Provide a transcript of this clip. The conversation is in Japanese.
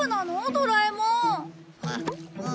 ドラえもん。